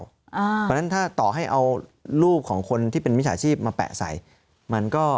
เพราะฉะนั้นถ้าต่อให้เอารูปของคนที่เป็นมิจฉาชีพมาแปะใส่มันก็